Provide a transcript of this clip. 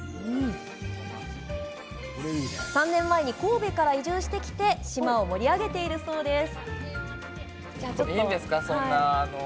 ３年前に神戸から移住してきて島を盛り上げているそうです。